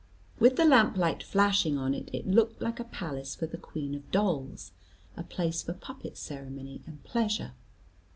With the lamp light flashing on it, it looked like a palace for the Queen of Dolls a place for puppet ceremony and pleasure.